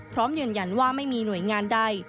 พร้อมยืนยันว่าไม่มีหน่วยงานใด